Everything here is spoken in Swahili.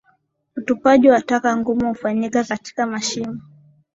Utupaji wa taka ngumu hufanyika katika mashimo